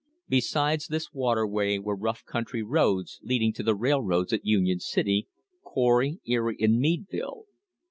Besides this waterway were rough country roads leading to the railroads at Union City, Corry, Erie and Meadville.